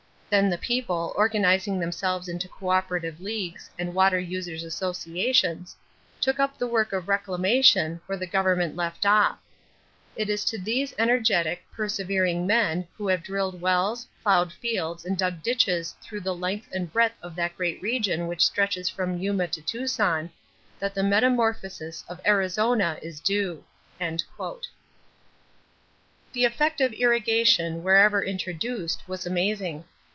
Then the people, organizing themselves into coöperative leagues and water users' associations, took up the work of reclamation where the government left off; it is to these energetic, persevering men who have drilled wells, plowed fields, and dug ditches through the length and breadth of that great region which stretches from Yuma to Tucson, that the metamorphosis of Arizona is due." The effect of irrigation wherever introduced was amazing.